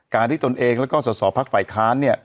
การที่ตนเองและก็สศพฝ่ายค้าน